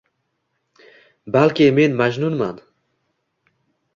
Balki men Majnunman